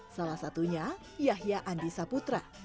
salah satunya yahya andi saputra